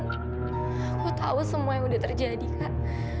aku tahu semua yang udah terjadi kak